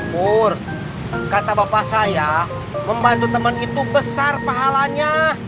pur kata bapak saya membantu temen itu besar pahalanya